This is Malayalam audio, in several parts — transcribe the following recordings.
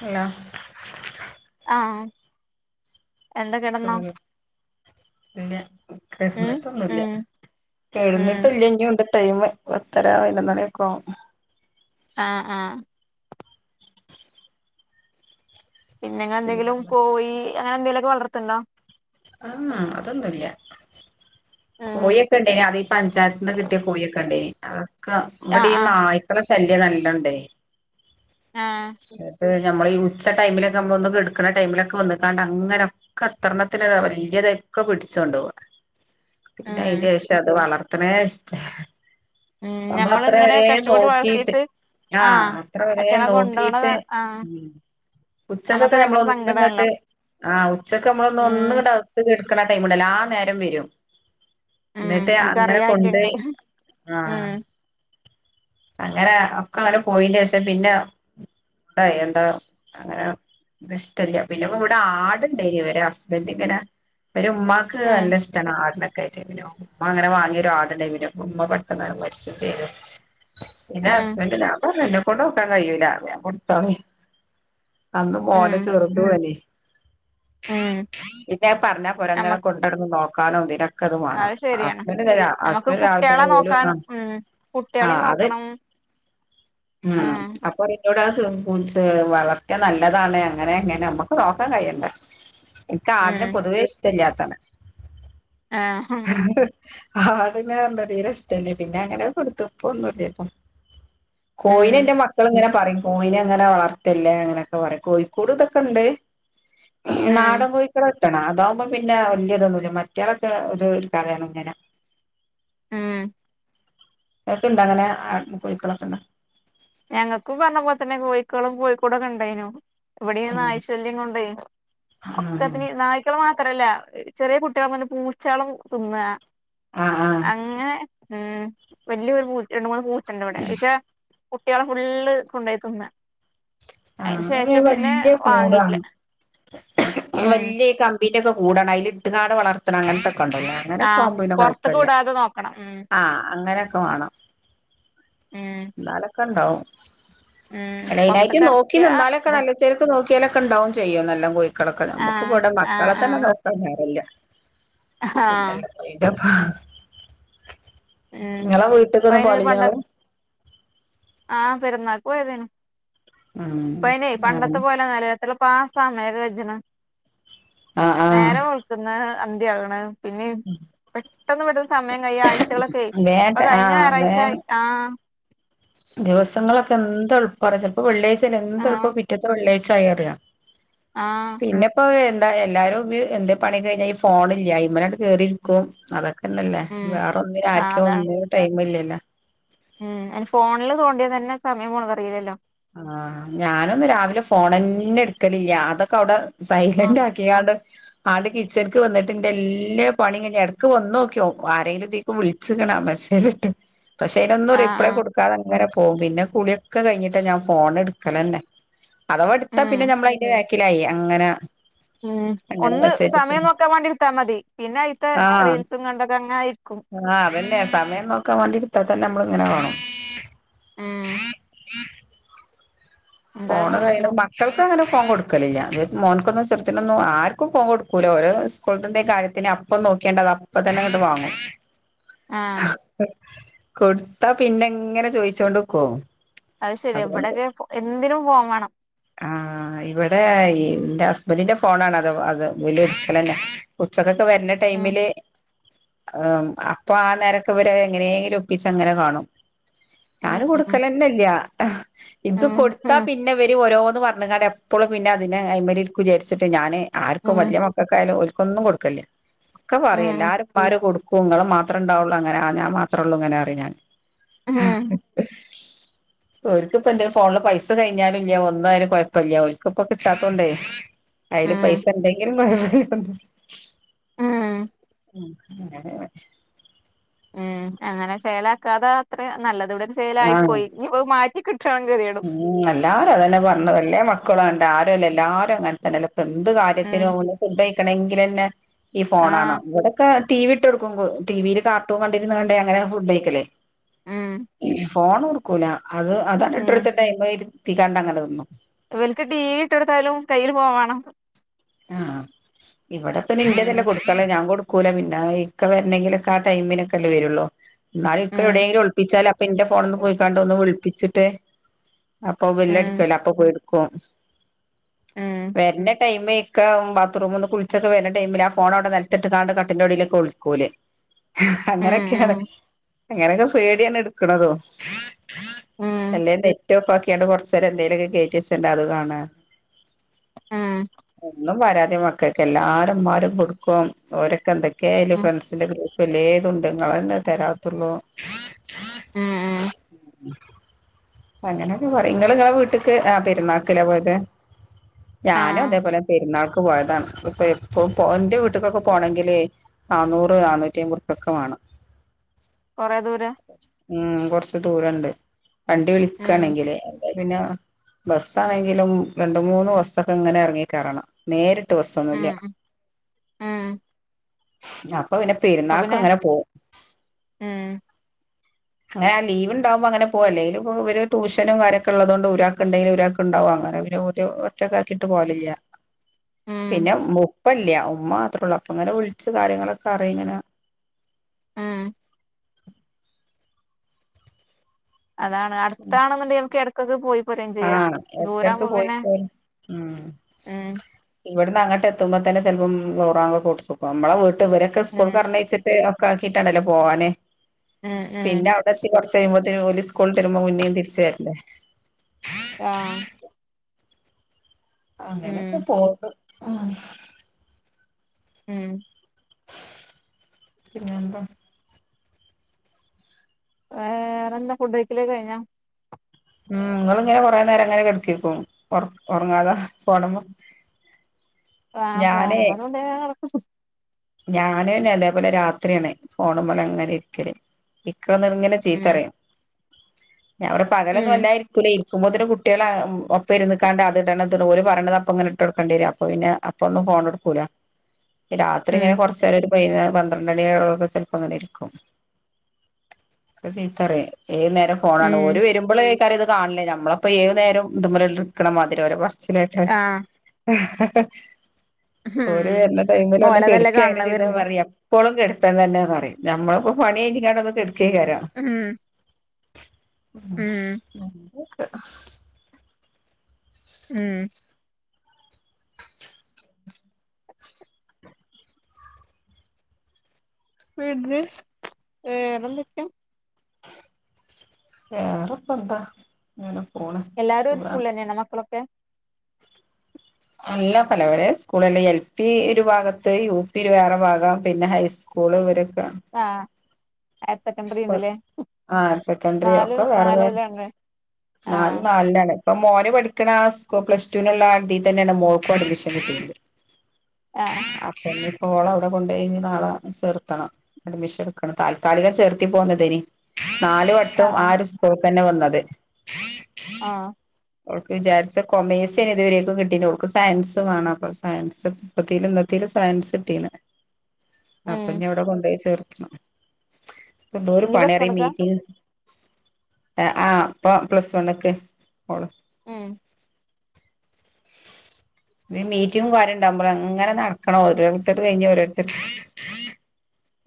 ഇ ആഹ ഇവിടെ കിടന്ന സുഖം ഇല്ല കെടുന്നിട്ടൊന്നുംല്ല. ഉം ഉം കേഴുന്നിട്ടല്ല ഇനി ഉണ്ട് ടൈമ്. ഉത്തര [unintelligible] ആ ആ പിന്നെങ്ങെന്തെങ്കിലും കോയി അങ്ങനെ എന്തെിലുമൊക്കെ വളർ ആ അതൊന്നുംല്ല ഉം കോയി ഒക്കെണ്ടേന് അത് ഈ പഞ്ചായത്തിന്ന് കിട്ടിയ കോയി ഒക്കെണ്ടേന് ക്ക ആഹ് ഇവടെ ആഹ് നായ്ക്കള ശല്യം നല്ലണ്ടേ ആഹ് നമ്മള ഈ ഉച്ച ടൈമിലൊക്കെ നമ്മള് ഒന്ന് കെടുക്കുണ ടൈമിലൊക്കെ വന്നകാണ്ട് അങ്ങനോക്കെ എത്രെണ്ണത്തിനേ വല്യേ ഇതൊക്കെ പിടിച്ചൊണ്ട് വാ. പിന്നെ അയിന്റെ ഉം ശേഷം അത് വളർത്തണേ ഇഷ്ടല്ല. ഉം നമ്മ ഞമ്മളിങ്ങനെ അത്രവരേ കഷ്ടപ്പെട്ട് നോക്കിട്ട് വളർത്തിയിട്ട് ആ ആഹ് അത്ര വരേം അയ്റ്റങ്ങളെ കൊണ്ടോണ നോക്കിട്ട് ആഹ് ഉം നമ്മക്ക് ഉച്ചക്കൊക്കെ നമ്മള ഭയങ്കര ഒന്ന സങ്കടാണല്ലോ ഇങ്ങട്ട് ആ് ഉച്ചക്കെ നമ്മളൊന്ന് ഉം ഒന്ന്ങ്ങട്ട് അകത്തക്ക് കടക്കുമ്പോ കണാ ടൈമണ്ടല്ലോ ആ നേരം വരും. ഉം ന്നിട്ട് അങ്ങനെ ഓൽക്കറിയാ അയ്റ്റങ്ങക്ക് കൊണ്ടയി. ആ ഉം അങ്ങനെ ഒക്ക അങ്ങനെ പോയിൻറേഷം പിന്ന എന്താ അങ്ങനെ വടേ ഇഷ്ടല്യാ പിന്നെ ഇപ്പ ഇവിടെ ആടുണ്ടായിനീ. ഇവര ഹസ്ബൻഡ്ങ്ങനെ ഇവരെ ഉമ്മാക്ക് ഉം നല്ല ഇഷ്ടമാണ് ആടിനെ [unintelligible] ഉമ്മ അങ്ങനെ വാങ്ങ്യ ഒരുരാടുണ്ടായിരുന്നു ഇവരെ. ഉമ്മ പെട്ടെന്ന നേര മരിച്ചും ചെയ്തു പിന്നെ ഉം ഹസ്ബൻറ് ലാഭം [unintelligible] ന്നെ കൊണ്ട് നോക്കാൻ കയ്യൂല. അപ്പോ ഞാൻ കൊടുത്തോളിൻ അന്ന് മോനെ ഉം ചെറുതും ആണേ ഉം ഇപ്പ അത് പറഞ്ഞാ പോരാങ്ങനെ നമ്മക്ക് കൊണ്ടടന്ന് നോക്കാനും ഇതിനും ക്കത് വേണം. അത് ശരിയാണ് ഹസ്ബൻഡ് [unintelligible] നമ്മക്ക് ഹസ്ബൻഡ് രാവിലെ കുട്ട്യാളെ തന്നെ നോക്കാനും [unintelligible] ഉം ആ ആ കുട്ട്യാളീം അത്. നോക്കണം ഉം ആഹ് അപ്പോ പറയാ [unintelligible] വളർത്ത്യാ നല്ലതാണ്. അങ്ങനെങ്ങനെ നമ്മക്ക് നോക്കാൻ കയ്യണ്ടേ? എനിക്ക് ആടിനെ ഉം പൊതുവേ ഇഷ്ട ഇല്ലാത്താണ് ആ ഹാ ആട്ങ്ങനെ [unintelligible] തീരെ ഇഷ്ടല്ല്യ. പിന്നെ അങ്ങനെ കൊടുത്തു ഇപ്പ ഒന്നൂല്ല്യാപ്പം. ഉം കോയിനെ ന്റെ മക്കള്ങ്ങനെ പറയും കോയിനെങ്ങനെ വളർത്തല്ലേ? അങ്ങനെയൊക്കെ പറയും. കോഴിക്കൂട് ഇതൊക്കെണ്ട്. ഉം നാടൻ കോയികൂടാ കിട്ടണം അതാകുമ്പോ പിന്നെ വല്യതൊന്നുമില്ല മറ്റയാളൊക്കെ ഒരു തരാണ്ങ്ങനെ ഉം ഇങ്ങക്ക് ഇണ്ടോ അങ്ങനെ ആടും കോഴിക്കളൊക്കെങ്ങനെ? ഞങ്ങക്കും പറഞ്ഞപോലെതന്നെ കോയ്ക്കളും കോയ്ക്കൂടൊക്കെ ഇണ്ടായിനു. വിടെ ഈ നായ് ശല്യം കൊണ്ടേ ഒക്കെത്തിനീം, നായ്ക്കള് മാ ത്രല്ല ചെറിയ കുട്ടിളാവുമ്പോങ്ങനെ പൂച്ചാള് തിന്നാ ആ ആ ഉം വല്യൊരു ഒര് രണ്ട് മൂന്ന് പൂച്ചണ്ട് ഇവിടെ, അവിറ്റാ കുട്ടിയാളെ ഫുള്ള് കൊണ്ടായി തിന്നാ ആ വല്യ കൂടാണ്. ഈ ഉം വല്യ കമ്പീന്റെക്കെ കൂടാണ്. അയില് ഇട്ട്കാണ്ട് വളർത്തണം അങ്ങനത്തെ ക്കൊണ്ടല്ലോ അങ്ങനൊക്കെ ആഹ് ആവുമ്പോപിന്നെ പൊറത്ത്ക്ക് കൊയപ്പില്യ. വിടാതെ നോക്കണം ഉം ആ അങ്ങനൊക്കെ വേണം. ഉം ക്കണ്ടാവും. ഉം അയ്നായിട്ട് പൊറത്ത്ക്ക് നോക്കി എറക്കിയാ നിന്നാലൊക്കെ ഇതാ നല്ല ചേര്ക്ക് നോക്കി ക്ക്യാലൊക്കെണ്ടാവും ചെയ്യും നല്ലം കോയ്ക്കളൊക്കെ. നമ്മക്ക് ആഹ് ഇവടെ ആഹ് മക്കളെ തന്നെ ആഹ് നോക്കാൻ നേരല്യാ ആഹ് പിന്നെല്ലേ കോഴിന്റെപ്പ ഉം ങ്ങളെ വീട്ടക്കന്നും പോവലില്ലേ ങ്ങള്? ആ പെരുന്നാക്ക് പോയതയ്നു. ഉം ഇപ്പ അയ്നെ പണ്ടത്തെ അങ്ങനെ പോലന്നല്ല എന്താപ്പാ സമയൊക്കെ കജ്ണ്. ആ ആ നേരം വെള്ക്ക്ണ് അന്തിയാവ്‌ണ് പിന്നെ പെട്ടെന്ന് പെട്ടന്ന് സമയം കഴിയ ആഴ്ചെളൊക്കെ, വേട്ട ഇപ്പൊ ആ കഴിഞ്ഞ വേ ഞായറാഴ്ച ആഹ് ദിവസങ്ങളൊക്കെ എന്ത് എളുപ്പറിയോ ചിലപ്പോ വെള്ളിയാഴ്ച യാല് എന്ത് എളുപ്പാ ആഹ് പിറ്റത്തെ വെള്ളാഴ്ച്ച ആയി അറിയോ ആഹ് പിന്നെപ്പഹ് ന്താ എല്ലാരും എന്ത് പണി കഴിഞ്ഞാ ഈ ഫോണില്ലേ അയ്മ്മൽ അങ്ങട് കേറിയിരിക്കും അതൊക്കെ ക്കെന്നല്ലേ ഉം വേറെ ഒന്നിനും ആഹ് ആർക്കോ അതാണ് ഒന്നിനും ടൈമില്ലല്ലോ ഉം അയ്ന് ഫോണില് തോണ്ടിയ തന്നെ സമയം പോണത് അറിയില്ലല്ലോ ആഹ് ഞാനൊന്ന് രാവിലെ ഫോണെന്നെ എടുക്കലില്ല അതൊക്കെ അവിടെ ആഹ് സൈലന്റ് ആക്കികാണ്ട് ആണ്ട് കിച്ചൺക്ക് വന്നിട്ട് ന്റെ എല്ലാ പണീം കഴിഞ് എടക്ക് വന്നോക്യോക്കും ആരെലും ഇതിക്ക് വിൾച്ച് ണൊ മെസ്സേജ് ഇട്ട് പക്ഷെ അതിനൊന്നും ആഹ് റിപ്ലൈ ആഹ് കൊടുകാതെ അങ്ങനെ പോകും പിന്നെ കുളിയൊക്കെ കഴിഞ്ഞിട്ടെ ഞാൻ ഫോണ് എടുക്കലന്നെ. അഥവാ എടുത്താ ഉം പിന്നെ ഞമ്മളയിന്റെ വേക്കിലായി അങ്ങനെ ഉം അങ്ങനെ ഒന്ന് മെസ്സേജ് ഇട്ട് സമയം നോക്കാൻ വേണ്ടി എടുത്താ മതി പിന്നെ അയിത്തെ ആഹ് റീൽസും കണ്ടൊക്കെ അങ്ങനെ ഇരിക്കും ആഹ് അതന്നെ സമയം നോക്കാൻ വേണ്ടിട്ത്താ തന്നെ നമ്മള ഇങ്ങനെ കാണും ഉം ഏ അതാണ് ഫോണ് കഴിയ്ണ, പ്രശ്നം മക്കൾക്ക് അങ്ങനെ ഫോൺ കൊടുക്കലില്ല, [unintelligible] മോൻക്കൊന്നും ചെറുത്തിനൊന്നും ആർക്കും ഫോൺ കൊടുക്കൂല്ല ഓരോ സ്കൂൾത്തെന്തേം കാര്യത്തിന് അപ്പൊ ന്ന് നോക്കിയാണ്ട് അത് അപ്പ തന്നെ ഇങ്ങട്ട് വാങ്ങും ആഹ് കൊടുത്താ പിന്നെങ്ങനെ ചോയിച്ചോണ്ട് ക്കോ അത് ശരിയാ ഇവിടെയൊക്കെ എന്തിനും ഫോൺ വേണം ആഹ് ആ ഇവിടെ ഈ ഇന്റെ ഹസ്ബന്റിന്റെ ഫോണ ആണത് അത് ഇവല് ഇടുക്കലന്നെ ഉച്ചക്കൊ ക്കെ വര്ന ഉം ടൈമില് അഹ് അപ്പൊ ആ നേരൊക്ക ഇവരത് എങ്ങനെയെലും ഒപ്പിച്ചങ്ങനെ കാണും ഉം ഞാന് ഉം കൊടുക്കലന്നല്ല ഇത് ഉം കൊടുത്താ ഉം പിന്നെ ഇവ ഓരോന്ന് പറഞ്ഞ്കാണ്ട് എപ്പളും പിന്നെ അതിന് അയിമ്മലിരിക്കും വിചാരിച്ചിട്ട് ഞാന് ആർക്കും ഉം വലിയ മക്കൾക്കായാലും ഓൽ ക്കൊന്നും കൊടുക്കല്ല ഒക്കെ പറയും ഉം എല്ലാരെ ഇപ്പാരും കൊടു ക്കും ഇങ്ങള് മാത്രം ഉണ്ടാവുള്ളൂ അങ്ങനെ ആ ഞാൻ മാത്രേ ഉള്ളൂ ഇങ്ങനെ പറീം ഞ്ഞാൻ ഹേ ഓര്ക്ക് ഇപ്പൊ ഫോണിൽ പൈസ കൈഞാൽ ല്യ ഒന്നും അയ്ന് കുഴപ്പില്ല ഓൽക്ക് ഇപ്പൊ കിട്ടാത്തോണ്ടേ അയ്ല് ഉം പൈസ ഇണ്ടെങ്കിലും കൊഴ [unintelligible] ആഹ് ഉം അങ്ങനെണ് ഏഹ് അങ്ങനെ ചേലാക്കാതെ അത്രിം നല്ലത് ഇവിടെ ൻ ചേലായി പോയി ഇഞ്പ്പത് മാ ഊം എല്ലാരും അതന്നെ പറഞ്ഞത് എല്ലേ മക്കളും അങ്ങൻ ന്നെ ആരു അല്ല എല്ലാരും അങ്ങനെ തന്നെല്ല എന്ത് ഉം കാര്യത്തിനും ഒന്ന് ഫുഡ്‌ കഴിക്കണങ്കിലന്നെ ഈ ഫോണാണം ആഹ് ഇവടെക്കെ ടി വി ഇട്ട് കൊടുക്കും. ടി വി ല് കാർട്ടൂൺ കണ്ടിരുന്നാണ്ടേ അങ്ങനെ ഫുഡ് കയിക്കലേ ഉം ഫോൺ കൊടുക്കൂല അത് അതാണ്ട് ഇട്ട് ഉം കൊട്ത്ത്ട്ട് അയ്മല് ഇരുത്തിക്കണ്ട് അങ്ങനെ തിന്നും ഇവൽക്ക് ടീവീ ഇട്ടു കൊടുത്താലും കയ്യില് ഫോൺ വേണം ആഹ് ഇവിടെപ്പൊ ഇനിന്റെതല്ല ഉം കൊടുക്കാൻഉള്ളെ ഞാൻ കൊടു ക്കൂല പിന്നെ ഇക്ക വരണെങ്കിലൊക്കെ ആ ടൈമിനൊക്കെ അല്ലേ വരുള്ളൂ ഇന്നാലും ഇക്ക ഉം എവിടെയെങ്കിലും ഒളിപ്പിച്ചാല് അപ്പൊ ഇന്റെ ഫോണ്ന്ന് പോയിക്കാണ്ട് ഒന്നു വിളിപ്പിച്ചിട്ടേ അപ്പൊ ഉം ബില്ലടിക്കുവല്ലോ അപ്പൊ പോയി എടുക്കു ഓൻ. ഉം വര്ന ടൈമെ ക്ക ബാത്റൂം ഒന്ന് കുളിച്ചൊക്കെ വര്ന ടൈമിൽ ആ ഫോൺ അവിടെ നിലത്തിട്ട് കാണ്ട് കട്ടിന്റെ ടേലൊക്കെ ഒളിക്കോല് ഉം അങ്ങനെയൊക്കെയാണ് ഉം അങ്ങനെയൊക്കെ പേടിയാണ് ഇടുക്കണതു ഉം അല്ലേ നെറ്റ് ഓഫ് ആക്കിയാണ്ട് കൊറച്ചേരം എന്തേലൊക്കെ കേറ്റ്യേച്ചത്ണ്ട് അത് കാണ ആഹ് എന്നും പരാതിയാ മക്കക്ക് എല്ലാരമ്മാരും കൊടുക്കും ഓരൊക്കെ എന്തൊക്കെ അയ്ല് ഉം ഫ്രണ്ട്സിന്റെ ഗ്രൂ പ്പ് എല്ലേതുണ്ട് ഇങ്ങളന്നെ തരാത്തൊള്ളു ഉം ഉം അങ്ങനെയൊക്കെ പറ നിങ്ങള് നിങ്ങളെ വീട്ടക്ക് ആ പെരുന്നാക്കിലാ പോയത് ഞാനും ആഹ് അതേപോലെ പെരുന്നാൾ ക്ക് പോയതാണ് ഇപ്പ എപ്പ എന്റെ വീട്ടക്കൊക്കെ പോകണമെങ്കിൽ നാന്നൂറ് നാന്നൂറ്റി അമ്പൂക്കൊക്കെ റുപിവേണം കുറെേ ദൂര ഉം കൊറച്ച ദൂരംണ്ട് വണ്ടി ഉം വിളിക്കയാണെങ്കില് പിന്നെ ബസ്സാണെങ്കിലും രണ്ട് മൂന്ന് ബസ്സൊക്കെ ഇങ്ങനെ എറങ്ങി കയറണം നേരിട്ട് നേരിട്ട് ബസ് ഒന്നുമില്ല ഉം ഉം ഇപ്പോ പിന്നെ അപ്പൊ പെരുന്നാക്ക് പിന്നെ അങ്ങനെ പോകും ഉം അങ്ങനെ ലീവ്ണ്ടാവുമ്പോ അങ്ങനെ പോ അല്ലെക്കിൽ ഇവ ട്യൂഷന കാര്യൊക്കെള്ളുതുണ്ട് ഒരാൾക്ക് ഉണ്ടെങ്കിൽ ഒരാക്ക് ഉണ്ടാവും അ വേറെ പിന്നെ ഒറ്റക്കെ ആക്കിട്ട് പോവലില്ല ഉം പിന്നെ ഇപ്പല്ല ഉമ്മമാത്രേ ഉള്ളൂ അപ്പ ഇങ്ങനെ വിളിച്ചച്ച് കാര്യങ്ങളൊക്കെ അറി ഇങ്ങനെ ആഹ് അതാണ് അടുത്താണെന്നുണ്ടെങ്കിൽ നമുക്ക് ഇടക്കൊക്കെ പോയി പോരേം ചെയ്യാം ആഹ് ഇടക്കടക്ക് ദൂരാവുമ്പോ പോയിട്ട പിന്നെ ഉ ഉം ഇവിടന്ന് അങ്ങട്ടെത്തുമ്പോ തന്നെ ചിലപ്പം ളുഹർ ബാങ്ക് കൊടു നമ്മളെ വീട്ട ഇവരൊക്കെ ഉം സ്കൂൾക്ക് പറഞ്ഞഅയച്ചിട്ട് ക്ക ആക്കിട്ടാണ്ടല്ലോ പോവാനെ ഉം പിന്നെ അവിടെ എത്തി കുറച്ച് കഴിയുമ്പോ പോല സ്കൂളിൽവീട്ട് മുന്നേും തിരിച്ചുവരട്ടെ ആഹ് അങ്ങനെക്കെ പോവന്നു ആ ഉം പിന്നെന്ത വേറെന്താ ഫുഡക്കലേ കഴിഞ്ഞാ ഉം നിങ്ങ ഇങ്ങനെ കൊറെേ നേരം അങ്ങനെ കെടക്കേക്കും ഉറങ്ങാതെ ഫോൺമേ ആ ഫോൺമേതോണ്ടി നടക്കും ഞാന് അതേപോലെ രാത്രിയാണ് ഫോണ് മേൽ അങ്ങനെ ഇരിക്കല് ഇക്ക വന്ന് ഇങ്ങനെ ചീത്ത ഉം പറയും ഞാൻ പകൽ വല്ലതെ ഉം ഇരിക്കുവല്ലേ ഉബയ്ദിൻ്റെ കുട്ടികളെ ഒപ്പം ഇരി നിൽക്കണ്ട ഓല് പറയണ അപ്പം ഇങ്ങനെ ഇട്ടു കൊടുക്കേണ്ടി വരും അപ്പൊ പിന്നെ അപ്പ ഒന്നും ഫോൺ എടുക്കൂല്ല അത്രങ്ങന ഉം കുറച്ച വൈകുന്നേരം പന്ത്രണ്ടണിയഴുള്ളൊക്കെ ചിലപ്പോൾ അങ്ങനെ ഇരിക്കും അെ ചീത്തറ ഏത് നേരം ഫോണാണ് ഒരു ഉം വരുമ്പോഴും ക്കറി ഇത് കാണില്ലേ നമ്മളപ്പോൊ ഏത് നേരം ഇതുല ഇടുക്കണം മാതിരിരെ മനസിലായിട്ടോ ആഹ് പോര് ഉം വരുന്ന ടൈമിലല്ലേ ഓലതല്ലേ എടുക്കുക അങ്ങനെ കാണണ ചെയ്ത വരുമ്പോ പറിയ എപ്പോളും കിടുപ്പൻ തന്നെ പറയും നമ്മളിപ്പോ പണി എഴിക്കാണ്ടന്ന് കെടുക്കേക്കരാം ഉം ഉ ഉം നല്ലക്ക ഉം വീട് ഏർ ഇറന്തക്ക വേറെപ്പ എന്താ ഇങ്ങനും എല്ലാരും സ്കൂൾ അന്നെനണ് മക്കളൊക്കെ അല്ല പല പല സ്കൂളല്ല എൽ പി ഒരു ഭാഗത്ത് യു പി ഒരു വേറെ ഭാഗം പിന്നെ ഹൈസ് സ്കൂള വരക്കെ ആഹ ഹയർ സെക്കൻഡറി ആഹ് ഉണ്ട്ല്ലേ ഹയർ നാല നാലല്ലേ നാ നല്ലാണ് ഇപ്പൊ മോന് പഠിക്കണ പ്ലസ് ടുവിനുള്ള ആണ്ടീ തന്നെയാണ് മോക്കും അഡ്മിഷൻ കിട്ടുന്നത് ആഹ് [unintelligible] ഓൾ അവിടെ കൊണ്ട് കഴിഞ്ഞ നാളെ ചെർക്കണം അഡ്മിഷൻ എടുക്കണം താൽക്കാലിക ചേർത്തി പോന്നതിന് നാലു വട്ടവും ആ ആഹ് ഒരു സ്കൂൾക്ക് തന്നെ വന്നത് ആഹ അവക്ക് വിചാരിച്ച കൊമേഴ്സിന് ഇതുവരെയൊക്കെ കിട്ടീട്ട അവക്ക് സയൻസ വേണം അപ്പൊ സയൻസ്പ്പ ഇത്തിൽ സയൻസ് സിറ്റീ ഉം അപ്പൊ ഞ ഇവിടെ കൊണ്ടുപ പോയി ചേർത്തന്ത ഒരു ഇനി പ്ലസ് പണിറ വൺ എടുക്കാ മീറ്റിങ് ആപ്പ പ്ലസ് വൺ ഒക്കെ ഓള ഉം ഇത് മീറ്റിങ്ങും കാര്യംണ്ടാവുമ്പോള അങ്ങനെ നടക്കണോ ഓരോത്തത് കഴിഞ്ഞ ഓോരുത്ത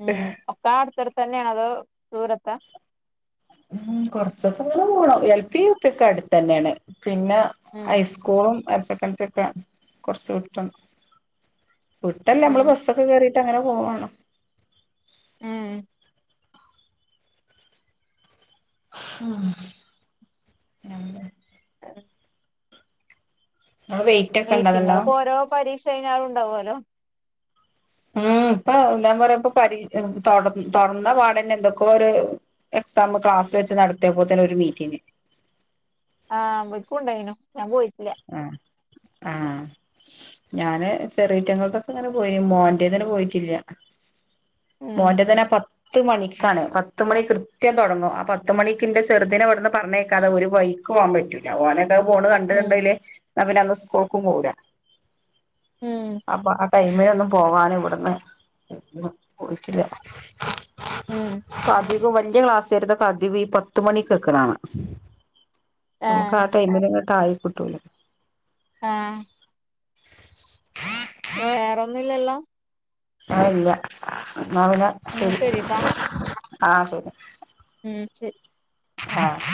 ഉം അക്കാ അടുത്തർ തന്നെയാണ അതോ ദൂരത്ത ഉ കൊറച്ച പത്ര പോണം എൽ പി യുപ ഒക്കെ അടുത്ത് തന്നെയാണ് പിന്നെ ഉം ഹൈസ്കൂളും ഹയർ സെക്കൻഡറി ഒക്കെ കുറച്ച് കിട്ടുന്നു വിട്ടല്ലേ ഉം നമ്മള് ബസ്സൊക്കെ കേറിീട്ട് അങ്ങനെ പോവാണ് ഉം ആഹ നിങ്ങള് വെയിറ്റ് ഒക്കെ ഇണ്ടോ മീറ്റിങ്ങൾ നല്ലോം ഇപ്പോ ഓരോ പരീക്ഷ കഴിഞ്ഞാലും ഉണ്ടാവല്ലോ ഉം ഇപ്പൊ എന്താ പറയാപ്പ പരി തൊടന്ന പാടന്നെ എന്തൊക്കോ ഒരു സമ്മ ക്ലാസ് വെച്ച് നടത്തിയ പോല തന്നെ ഒരു മീറ്റിംഗ് ആഹ വക്കുംണ്ടായിനു ഞാൻ പോയി ആഹ ആഹ ഞാന് ചെറിയയിറ്റങ്ങൾക്കൊക്കെ ഇങ്ങനെ പോയി മോറന്നന്നെ പോയിട്ടില്ല ഉം മോൻന്റെ തനെ പ പത്ത് മണിക്കാണ് പത്ത മണി കൃത്യം തുടങ്ങും ആ പത്തുമ മണിൻ്ന്റെ ചെറുതിനെ ഇവിടുന്ന് പറഞ്ഞേക്കാതെ ഒരു വൈ പോവാൻ പറ്റില്ല ഓനെ പോ കണ്ട ഉം കണ്ടല പിെ അന്ന് സ്കൂൾക്കും പോില്ല ഉം കൈ്മ ഒന്നും പോകാന ഇവിടുന്ന് പോയിട്ടില്ല ഉം അധിക വലിയ ക്ലാസ് വരത ക അധിക ഈ പത്ത മണിക്ക്ക്കണാണ് നമുക്ക് ആഹ് ആ ടൈമിനങ്ങോട്ട് ആയി കിട്ടൂല ആഹ വേറൊന്നുംല്ലല്ലോ ആല്ല മാവിന എന്നാ ശരി ശരിട്ടാ ആഹ ശരി ഉം ശരി ആഹ